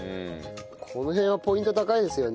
この辺はポイント高いですよね。